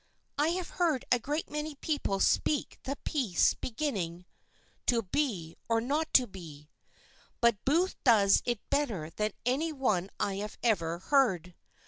I have heard a great many people speak the piece beginning To be or not to be, but Mr. Booth does it better than any one I have ever heard.